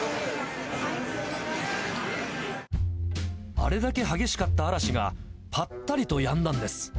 あれだけ激しかった嵐が、ぱったりとやんだんです。